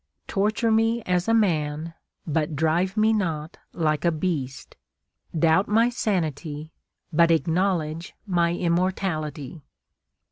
Torture me as a man, but drive me not like a beast. Doubt my sanity, but acknowledge my immortality."